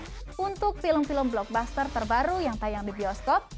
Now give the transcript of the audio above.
dan juga bisa menonton film blockbuster terbaru yang di tanyakan di bioskop